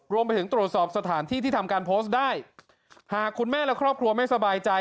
รวมไปถึงตรวจสอบสถานที่ที่ทำการโพสต์ได้หากคุณแม่และครอบครัวไม่สบายใจ